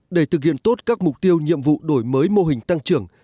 để thực hiện tốt các mục tiêu nhiệm vụ đổi mới mô hình tăng trưởng